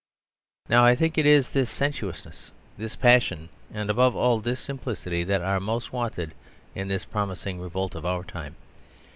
Now I think it is this sensuousness, this passion, and, above all, this simplicity that are most wanted in this promising revolt of our time.